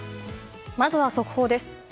まずは速報です。